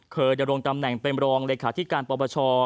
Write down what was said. เคยดำรงตำแหน่งเป็นรองเลขาธิการประบาชอ